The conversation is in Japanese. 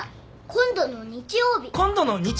今度の日曜日です。